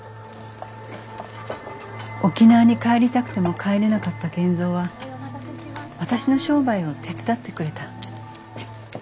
沖縄に帰りたくても帰れなかった賢三は私の商売を手伝ってくれた。